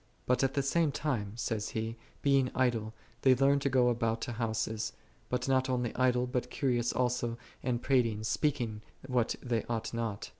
" But at the same time," saith he, "being idle they learn to go about to houses: but not only idle, but curious also and prating, speaking what they ought not."